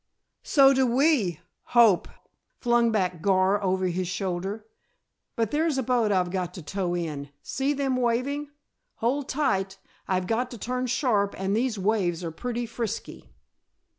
"So do we hope," flung back Gar over his shoulder. "But there's a boat I've got to tow in. See them waving? Hold tight; I've got to turn sharp and these waves are pretty frisky."